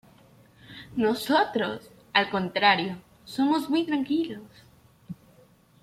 Nosotros, al contrario, somos muy tranquilos.